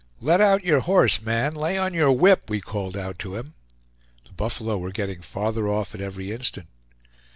"Let out your horse, man; lay on your whip!" we called out to him. The buffalo were getting farther off at every instant.